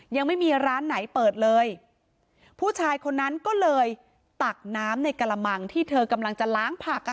ยังไม่มีร้านไหนเปิดเลยผู้ชายคนนั้นก็เลยตักน้ำในกระมังที่เธอกำลังจะล้างผักอ่ะ